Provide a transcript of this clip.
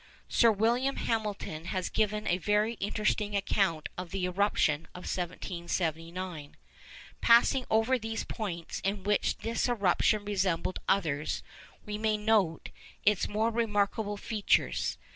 Sir William Hamilton has given a very interesting account of the eruption of 1779. Passing over those points in which this eruption resembled others, we may note its more remarkable features.